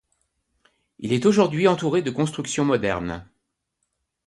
Il est aujourd'hui entouré de constructions modernes.